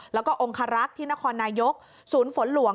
แล้วก็องคารักษ์ที่นครนายกศูนย์ฝนหลวง